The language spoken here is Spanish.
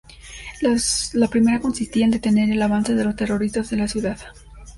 La primera consistía en detener el avance de los terroristas en la ciudad.